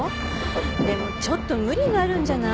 でもちょっと無理があるんじゃない？